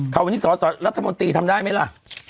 ค่ะวันนี้สสรัฐมนตรีทำได้ไหมล่ะ